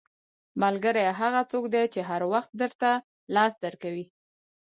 • ملګری هغه څوک دی چې هر وخت درته لاس درکوي.